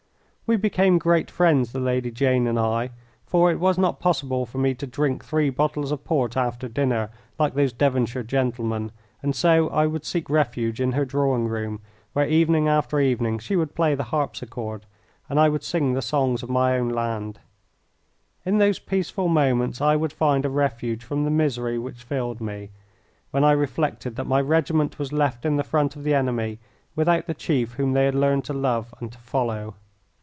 We became great friends, the Lady Jane and I, for it was not possible for me to drink three bottles of port after dinner like those Devonshire gentlemen, and so I would seek refuge in her drawing room, where evening after evening she would play the harpsichord and I would sing the songs of my own land. In those peaceful moments I would find a refuge from the misery which filled me, when I reflected that my regiment was left in the front of the enemy without the chief whom they had learned to love and to follow.